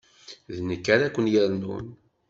D nekk ara ken-yernun.